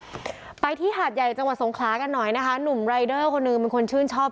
ไปที่หาดใหญ่จังหวัดสงขลากันหน่อยนะคะหนุ่มรายเดอร์คนหนึ่งเป็นคนชื่นชอบ